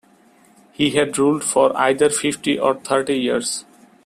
He had ruled for either fifty or thirty years.